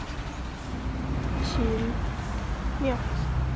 该庙是察哈尔地区镶白旗的旗庙。